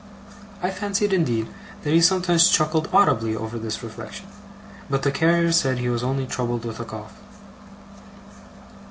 I fancied, indeed, that he sometimes chuckled audibly over this reflection, but the carrier said he was only troubled with a cough.